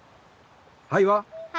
「はい」は？